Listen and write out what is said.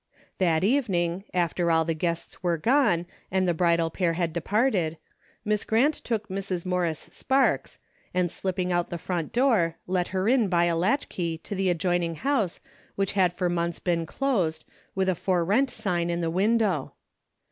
That evening, after all the guests were gone, and the bridal pair had departed. Miss Grant took Mi's. Morris Sparks, and slipping out the front door, let her in by a latchkey to the adjoining house which had for months 344 A DAILY BATE. been closed, with a " For Eent sign in the window.